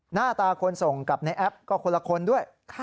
หน้าตาคนส่งกับในแอปก็คนละคนด้วย